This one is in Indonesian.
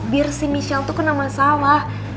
biar si michel tuh kena masalah